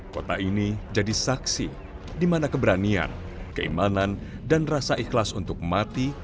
kota ini jadi saksi di mana keberanian keimanan dan rasa ikhlas untuk mati